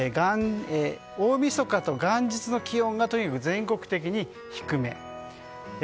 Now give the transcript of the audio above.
大みそかと元日の気温がとにかく全国的に、低め。